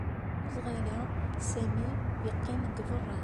Deg uzɣal-a Sami yeqqim deg beṛṛa.